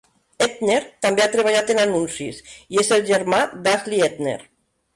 Edner també ha treballat en anuncis i és el germà d'Ashley Edner.